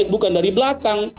bukan dari belakang